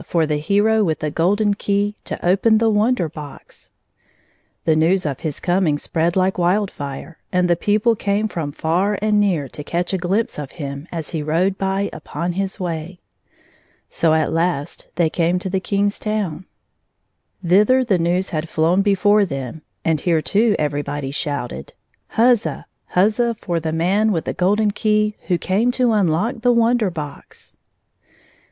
for the hero with the golden key to open the Wonder Box I " The news of his coming spread Kke wild fire, and people came from far and near to catch a glimpse of him as he rode by upon his way. So at last they came to the King's town. 1 86 Thither the news had flown before them, and here, too, everybody shouted. Huzza ! Huzza for the man with the golden key who came to unlock the Wonder Box